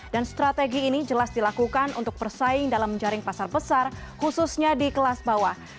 dan strategi ini jelas dilakukan untuk persaing dalam jaring pasar besar khususnya di kelas bawah